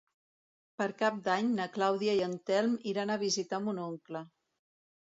Per Cap d'Any na Clàudia i en Telm iran a visitar mon oncle.